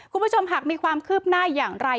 คุณผู้ชมหากมีความคืบหน้าอย่างไร